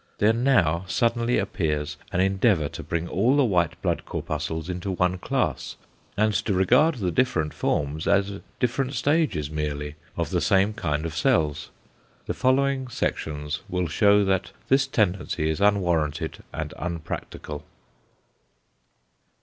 There now suddenly appears an endeavour to bring all the white blood corpuscles into one class, and to regard the different forms as different stages merely of the same kind of cells. The following sections will show that this tendency is unwarranted and unpractical.